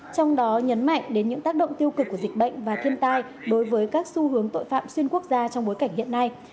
trong đó nhấn mạnh đến những tác động tiêu cực của dịch bệnh và thiên tai đối với các xu hướng tội phạm xuyên quốc gia trong bối cảnh hiện nay